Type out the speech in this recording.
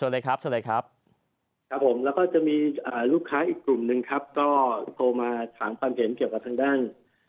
แล้วก็จะมีลูกค้าอีกกลุ่มหนึ่งครับก็โทรมาถามความเห็นเกี่ยวกับทางด้าน